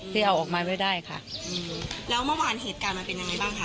ที่เอาออกมาไว้ได้ค่ะแล้วเมื่อวานเหตุการณ์มันเป็นยังไงบ้างคะ